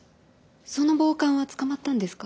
その暴漢は捕まったんですか？